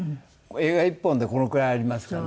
映画１本でこのくらいありますからね。